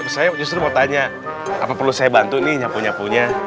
saya justru mau tanya apa perlu saya bantu ini nyapunya punya